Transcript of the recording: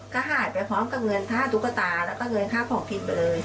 ก็หายไปพร้อมกับเงินค่าตุ๊กตาแล้วก็เงินค่าของผิดไปเลย